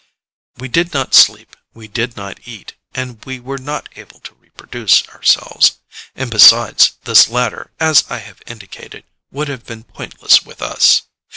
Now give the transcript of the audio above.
We did not sleep; we did not eat, and we were not able to reproduce ourselves. (And, besides, this latter, as I have indicated, would have been pointless with us.)